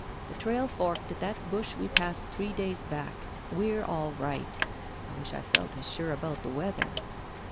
The trail forked at that bush we passed three days back. We're all right. I wish I felt as sure about the weather."